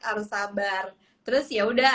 harus sabar terus ya udah